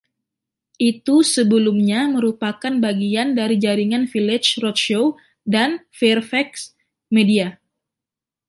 Itu sebelumnya merupakan bagian dari jaringan Village Roadshow dan Fairfax Media.